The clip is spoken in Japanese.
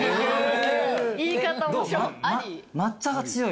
抹茶が強い？